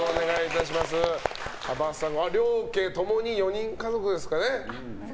両家ともに４人家族ですかね。